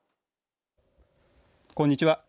こんにちは。